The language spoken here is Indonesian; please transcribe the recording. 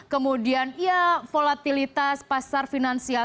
kemudian ya volatilitas pasar finansial